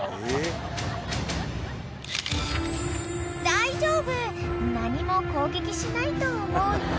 ［大丈夫何も攻撃しないと思うよ］